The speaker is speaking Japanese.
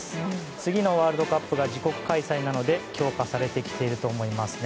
次のワールドカップが自国開催なので強化されてきていると思いますね。